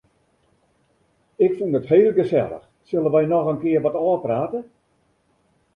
Ik fûn it heel gesellich, sille wy noch in kear wat ôfprate?